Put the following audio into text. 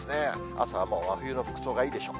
朝はもう真冬の服装がいいでしょう。